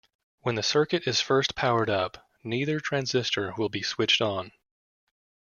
When the circuit is first powered up, neither transistor will be switched on.